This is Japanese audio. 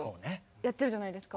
やってるじゃないですか。